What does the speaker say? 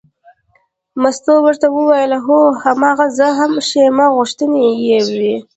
مستو ورته وویل هو هماغه زه هم ښیمه غوښتنې یې وې.